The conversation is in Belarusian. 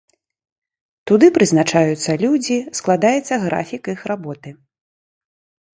Туды прызначаюцца людзі, складаецца графік іх работы.